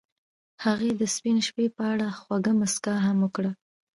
هغې د سپین شپه په اړه خوږه موسکا هم وکړه.